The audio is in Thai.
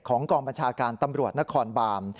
กองบัญชาการตำรวจนครบาน